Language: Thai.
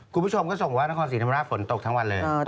กรูผู้ชมก็ส่งว่านครสีนำราภนตกทั้งวันเลย